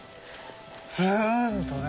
ずんとね。